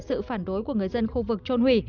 sự phản đối của người dân khu vực trôn hủy